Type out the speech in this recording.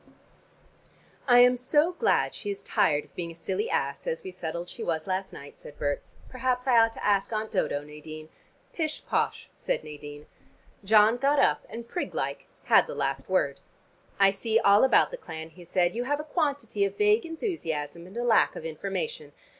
"I'm so glad she is tired of being a silly ass, as we settled she was last night," said Berts. "Perhaps I ought to ask Aunt Dodo, Nadine." "Pish posh," said Nadine. John got up, and prig like had the last word. "I see all about the clan," he said. "You have a quantity of vague enthusiasm, and a lack of information.